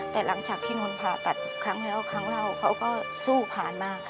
แต่หลังจากที่น้นผ่าตัดครั้งแล้วครั้งเล่าเขาก็สู้ผ่านมา